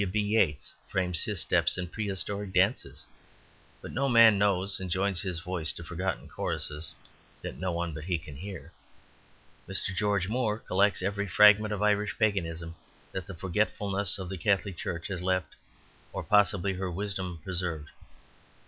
W. B. Yeats frames his steps in prehistoric dances, but no man knows and joins his voice to forgotten choruses that no one but he can hear. Mr. George Moore collects every fragment of Irish paganism that the forgetfulness of the Catholic Church has left or possibly her wisdom preserved.